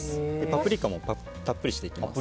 パプリカもたっぷりしていきます。